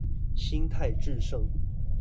心態致勝